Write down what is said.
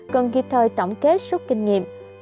cần kịp thời tổng kết suốt kinh nghiệm